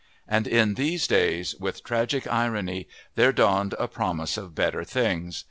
And in these days, with tragic irony, there dawned a promise of better things!